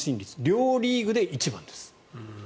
両リーグで１番です。